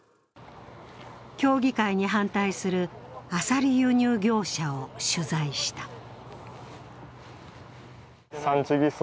協議会に反対するアサリ輸入業者を取材した。